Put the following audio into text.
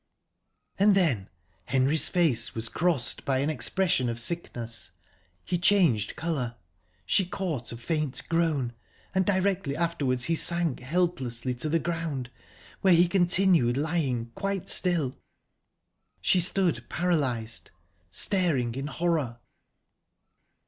And then Henry's face was crossed by an expression of sickness; he changed colour; she caught a faint groan, and directly afterwards he sank helplessly to the ground, where he continued lying quite still ...she stood paralysed, staring in horror...